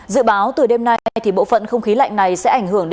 dự báo từ đêm nay thì bộ phận không khí lạnh này sẽ ảnh hưởng